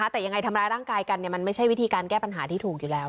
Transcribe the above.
แต่ยังไงทำร้ายร่างกายกันมันไม่ใช่วิธีการแก้ปัญหาที่ถูกอยู่แล้ว